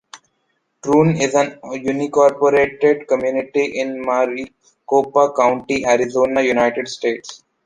Troon is an unincorporated community in Maricopa County, Arizona, United States.